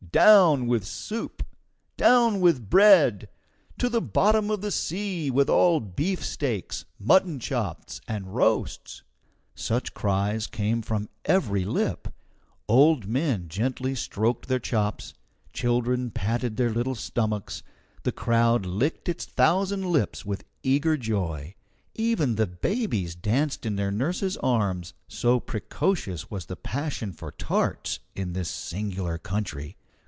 Down with soup! Down with bread! To the bottom of the sea with all beefsteaks, mutton chops, and roasts!" Such cries came from every lip. Old men gently stroked their chops, children patted their little stomachs, the crowd licked its thousand lips with eager joy. Even the babies danced in their nurses' arms, so precocious was the passion for tarts in this singular country.